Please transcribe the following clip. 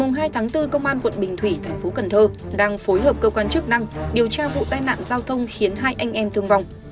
ngày hai tháng bốn công an quận bình thủy tp cn đang phối hợp cơ quan chức năng điều tra vụ tai nạn giao thông khiến hai anh em thương vong